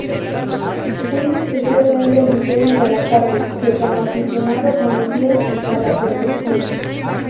Cuida especialmente el diseño de las armas, que como aficionado conocía a la perfección.